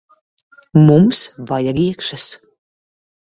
Mums vajag iekšas.